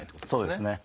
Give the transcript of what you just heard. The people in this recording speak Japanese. そうですね。